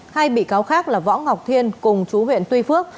hai bị cáo khác là võ ngọc thiên cùng chú huyện tuy phước